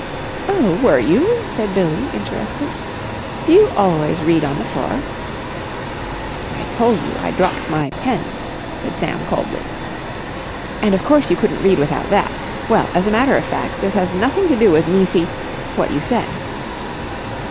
"Oh, were you?" said Billie, interested. "Do you always read on the floor?" "I told you I dropped my pen," said Sam coldly. "And of course you couldn't read without that! Well, as a matter of fact, this has nothing to do with Nisi—what you said."